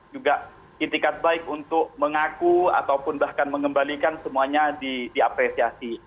juga itikat baik untuk mengaku ataupun bahkan mengembalikan semuanya diapresiasi